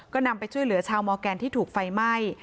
ก็นำไปช่วยเหลือชาวมอร์แกนที่ถูกไฟไหม้